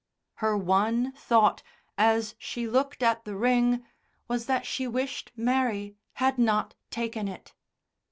Her one thought as she looked at the ring was that she wished Mary had not taken it.